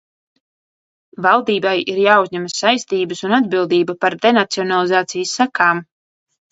Valdībai ir jāuzņemas saistības un atbildība par denacionalizācijas sekām.